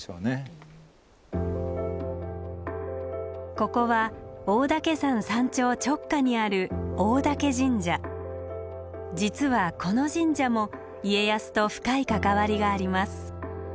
ここは大岳山山頂直下にある実はこの神社も家康と深い関わりがあります。